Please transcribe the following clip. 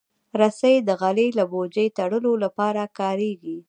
رسۍ د غلې له بوجۍ تړلو لپاره کارېږي.